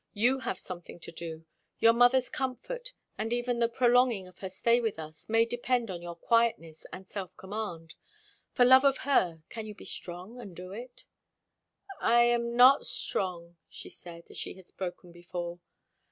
You have something to do. Your mother's comfort, and even the prolonging of her stay with us, may depend on your quietness and self command. For love of her, can you be strong and do it?" "I am not strong " said Rotha, as she had spoken before.